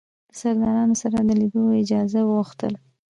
د سردارانو سره د لیدلو اجازه وغوښتل.